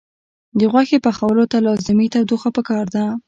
د غوښې پخولو ته لازمي تودوخه پکار ده.